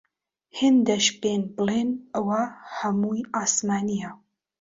هێندەش بێن، بلین: ئەوە هەموەی عاسمانیە